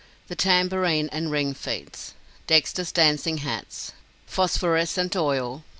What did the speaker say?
THE TAMBOURINE AND RING FEATS. DEXTER'S DANCING HATS. PHOSPHORESCENT OIL.